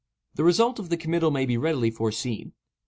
The result of the committal may be readily foreseen.